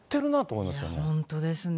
いや、本当ですね。